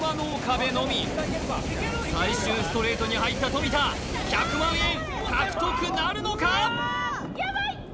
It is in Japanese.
べのみ最終ストレートに入った富田１００万円獲得なるのか？